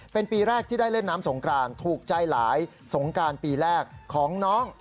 เป็นปีแรกที่ได้เล่นน้ำสงกรานถูกใจหลายสงการปีแรกของน้อง